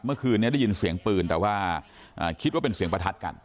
เมื่อคืนนี้ได้ยินเสียงปืนแต่ว่าคิดว่าเป็นเสียงประทัดกัน